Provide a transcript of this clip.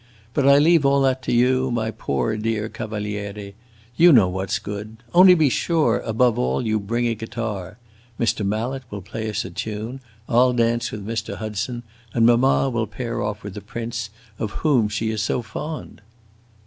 But I leave all that to you, my poor, dear Cavaliere; you know what 's good! Only be sure, above all, you bring a guitar. Mr. Mallet will play us a tune, I 'll dance with Mr. Hudson, and mamma will pair off with the prince, of whom she is so fond!"